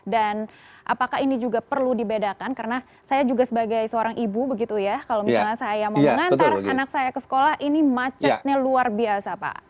dan apakah ini juga perlu dibedakan karena saya juga sebagai seorang ibu begitu ya kalau misalnya saya mau mengantar anak saya ke sekolah ini macetnya luar biasa pak